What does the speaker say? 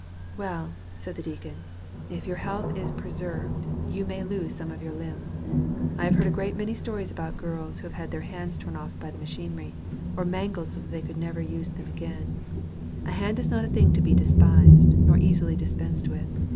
"Well," said the deacon, "if your health is preserved, you may lose some of your limbs. I have heard a great many stories about girls who had their hands torn off by the machinery, or mangled so that they could never use them again; and a hand is not a thing to be despised, nor easily dispensed with.